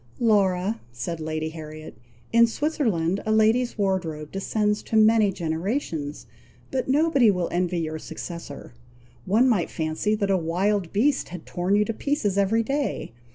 "Laura," said Lady Harriet, "in Switzerland a lady's wardrobe descends to many generations; but nobody will envy your successor! One might fancy that a wild beast had torn you to pieces every day!